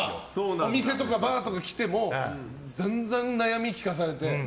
お店とかバーとか来ても散々、悩み聞かされて。